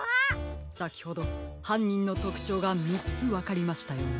さきほどはんにんのとくちょうが３つわかりましたよね。